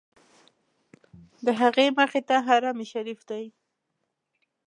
د هغې مخې ته حرم شریف دی.